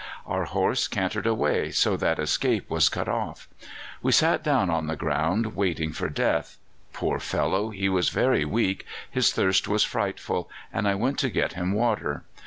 Our horse cantered away, so that escape was cut off. We sat down on the ground waiting for death. Poor fellow! he was very weak; his thirst was frightful, and I went to get him water.